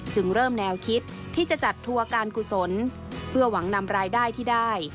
จึงเริ่มแนวคิดที่จะจัดทัวร์การกุศลเพื่อหวังนำรายได้ที่ได้